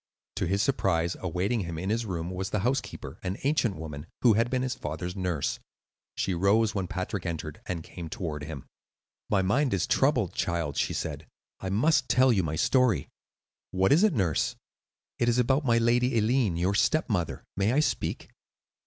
To his surprise, awaiting him in his room was the housekeeper, an ancient woman, who had been his father's nurse. She rose when Patrick entered, and came toward him. "My mind is troubled, child," she said; "I must tell you my story." "What is it, nurse?" "It is about my lady Eileen, your stepmother. May I speak?"